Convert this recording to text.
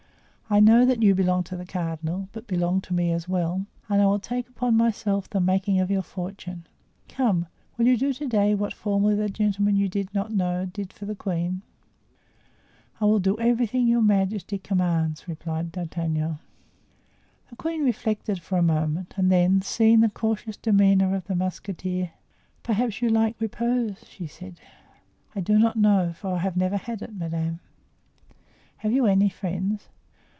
I know that you belong to the cardinal, but belong to me as well, and I will take upon myself the making of your fortune. Come, will you do to day what formerly the gentleman you do not know did for the queen?" "I will do everything your majesty commands," replied D'Artagnan. The queen reflected for a moment and then, seeing the cautious demeanor of the musketeer: "Perhaps you like repose?" she said. "I do not know, for I have never had it, madame." "Have you any friends?"